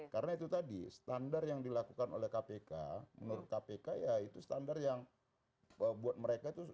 karena itu tadi standar yang dilakukan oleh kpk menurut kpk ya itu standar yang buat mereka itu